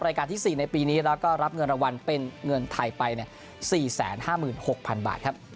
รายการที่๔ในปีนี้แล้วก็รับเงินรางวัลเป็นเงินไทยไป๔๕๖๐๐๐บาทครับ